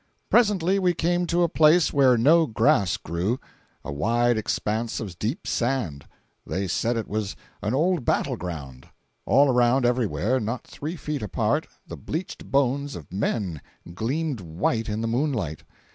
Presently we came to a place where no grass grew—a wide expanse of deep sand. They said it was an old battle ground. All around everywhere, not three feet apart, the bleached bones of men gleamed white in the moonlight.